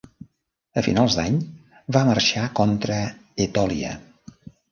A finals d'any va marxar contra Etòlia.